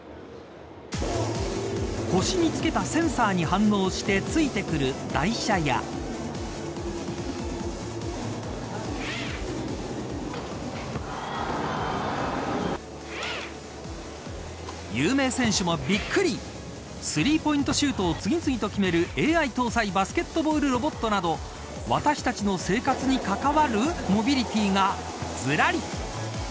腰に付けたセンサーに反応して付いてくる台車や有名選手もびっくりスリーポイントシュートを次々と決めるＡＩ搭載バスケットボールロボットなど私たちの生活に関わるモビリティがずらり。